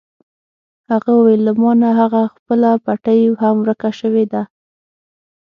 هغه وویل: له ما نه هغه خپله پټۍ هم ورکه شوې ده.